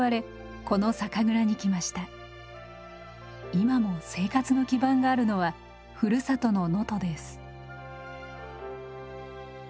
今も生活の基盤があるのはふるさとの能登です。